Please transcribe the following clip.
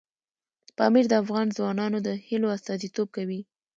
پامیر د افغان ځوانانو د هیلو استازیتوب کوي.